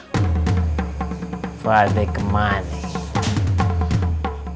ini pada gimana ya